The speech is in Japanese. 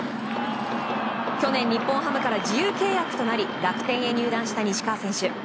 去年、日本ハムから自由契約となり楽天へ入団した西川選手。